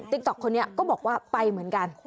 ต๊อกคนนี้ก็บอกว่าไปเหมือนกัน